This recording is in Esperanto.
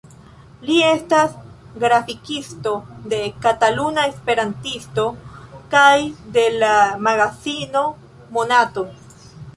Li estas grafikisto de "Kataluna Esperantisto" kaj de la magazino "Monato".